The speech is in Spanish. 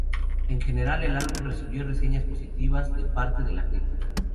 En general el álbum recibió reseñas positivas de parte de la crítica.